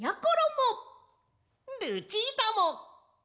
ルチータも！